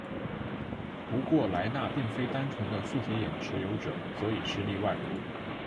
不过莱纳并非单纯的复写眼持有者所以是例外。